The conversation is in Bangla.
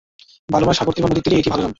বালুময় সাগর তীর বা নদীর তীরে এটি ভাল জন্মে।